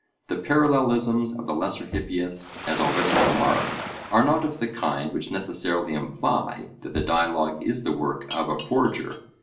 The parallelisms of the Lesser Hippias, as already remarked, are not of the kind which necessarily imply that the dialogue is the work of a forger.